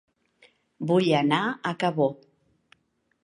Vull anar a Cabó